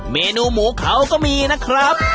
เมนูหมูเขาก็มีนะครับ